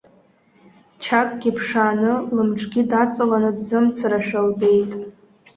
Чакгьы ԥшааны, лымҿгьы даҵаланы дзымцарашәа лбеит.